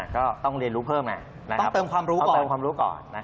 ก็ต้องเรียนรู้เพิ่มความรู้เติมความรู้ก่อน